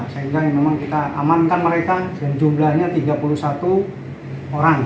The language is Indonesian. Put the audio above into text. sehingga memang kita amankan mereka dan jumlahnya tiga puluh satu orang